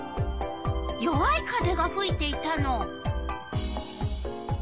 弱い風がふいていたの。